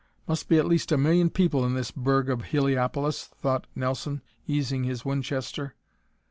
"Must be at least a million people in this burg of Heliopolis," thought Nelson, easing his Winchester.